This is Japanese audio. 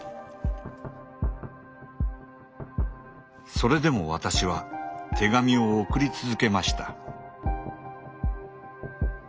それでも私は手紙を送り続けました。